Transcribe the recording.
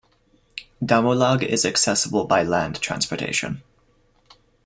Damulog is accessible by land transportation.